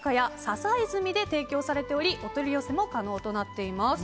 ささいずみで提供されておりお取り寄せも可能となっています。